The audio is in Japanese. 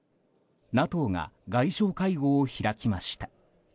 ＮＡＴＯが外相会合を開きました。